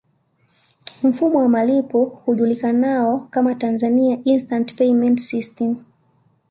Mifumo ya malipo hujulikanao kama Tanzania Instant Payment System